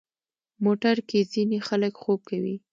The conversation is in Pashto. موټر کې ځینې خلک خوب کوي.